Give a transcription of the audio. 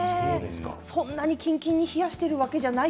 そんなにキンキンに冷やしているわけではない